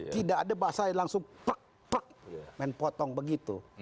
tidak ada bahasa yang langsung menpotong begitu